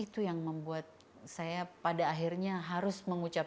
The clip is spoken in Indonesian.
itu yang membuat saya pada akhirnya harus mengucapkan